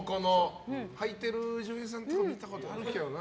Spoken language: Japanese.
履いている女優さんとかは見たことあるけどな。